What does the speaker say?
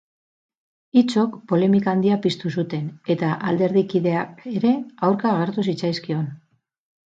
Hitzok polemika handia piztu zuten, eta alderdikideak ere aurka agertu zitzaizkion.